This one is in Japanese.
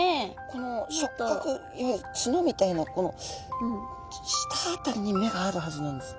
この触角いわゆる角みたいなこの下辺りに目があるはずなんです。